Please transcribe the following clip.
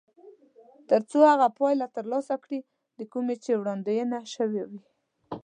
تر څو هغه پایله ترلاسه کړي د کومې چې وړاندوينه شوې وي.